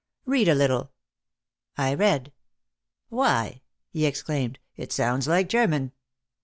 "Read a little." I read. "Why !" he exclaimed, "It sounds like German."